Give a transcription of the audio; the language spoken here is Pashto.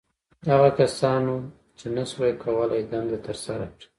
• هغه کسانو، چې نهشوی کولای دنده تر سره کړي.